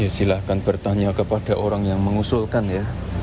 ya silahkan bertanya kepada orang yang mengusulkan ya